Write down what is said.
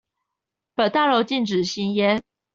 本大樓禁止吸煙